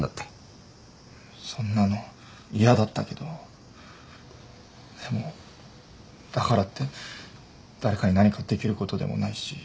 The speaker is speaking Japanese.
そんなの嫌だったけどでもだからって誰かに何かできることでもないし。